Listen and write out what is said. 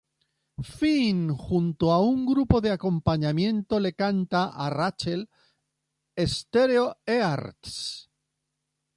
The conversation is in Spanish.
Finn junto a un grupo de acompañamiento le canta a Rachel "Stereo Hearts".